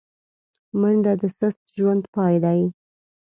منډه د سست ژوند پای دی